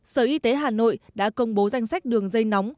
sở y tế hà nội đã công bố danh sách đường dây nóng